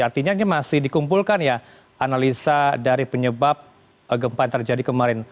artinya ini masih dikumpulkan ya analisa dari penyebab gempa yang terjadi kemarin